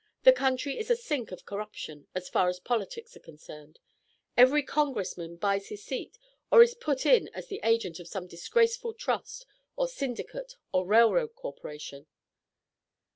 The country is a sink of corruption, as far as politics are concerned. Every Congressman buys his seat or is put in as the agent of some disgraceful trust or syndicate or railroad corporation."